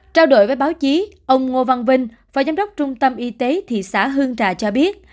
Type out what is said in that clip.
trao đổi với báo chí ông ngô văn vinh phó giám đốc trung tâm y tế thị xã hương trà cho biết